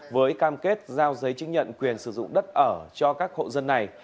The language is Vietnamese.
với cam kết giao giấy chứng nhận quyền sử dụng đất ở cho các hộ dân này